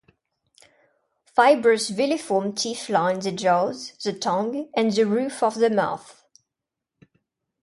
Fibrous villiform teeth line the jaws, the tongue, and the roof of the mouth.